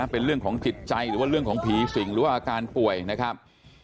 เป็นเรื่องของจิตใจหรือว่าเรื่องของผีสิงหรือว่าอาการป่วยนะครับ